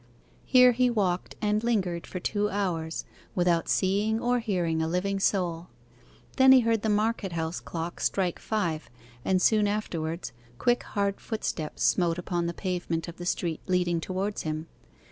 Here he walked and lingered for two hours, without seeing or hearing a living soul. Then he heard the market house clock strike five, and soon afterwards, quick hard footsteps smote upon the pavement of the street leading towards him.